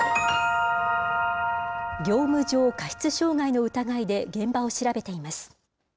業務上過失傷害の疑いで現場を調べています。